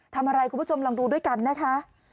ทำอะไรคุณผู้ชมลองดูด้วยกันนะคะ